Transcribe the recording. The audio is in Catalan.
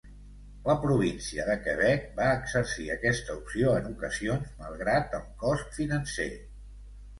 La província de Quebec va exercir aquesta opció en ocasions malgrat el cost financer.